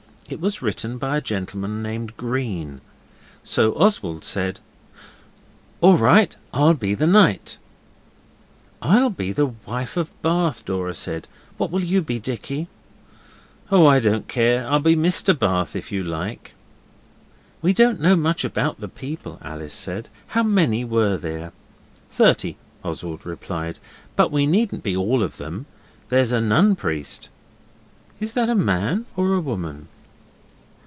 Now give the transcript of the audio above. It was written by a gentleman named Green. So Oswald said 'All right. I'll be the Knight.' 'I'll be the wife of Bath,' Dora said. 'What will you be, Dicky?' 'Oh, I don't care, I'll be Mr Bath if you like.' 'We don't know much about the people,' Alice said. 'How many were there?' 'Thirty,' Oswald replied, 'but we needn't be all of them. There's a Nun Priest.' 'Is that a man or a woman?